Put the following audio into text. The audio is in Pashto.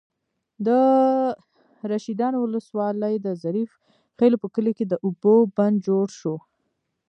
د رشيدانو ولسوالۍ، د ظریف خېلو په کلي کې د اوبو بند جوړ شو.